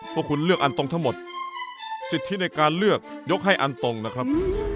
พวกคุณเลือกอันตรงทั้งหมดสิทธิในการเลือกยกให้อันตรงนะครับ